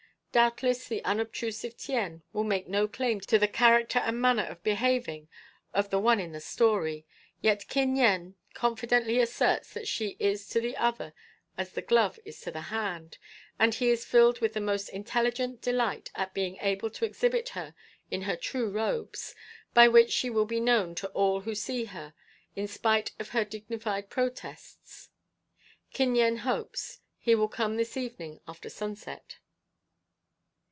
Doubtless the unobtrusive Tien would make no claim to the character and manner of behaving of the one in the story, yet Kin Yen confidently asserts that she is to the other as the glove is to the hand, and he is filled with the most intelligent delight at being able to exhibit her in her true robes, by which she will be known to all who see her, in spite of her dignified protests. Kin Yen hopes; he will come this evening after sunset."